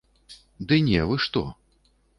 Ды не, вы што.